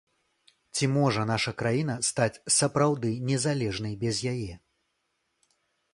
Ці можа наша краіна стаць сапраўды незалежнай без яе?